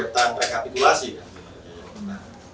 kalau targetan rekapitulasi kan